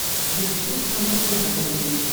Йывӑҫ ҫурт часах ҫунса кӗлленнӗ.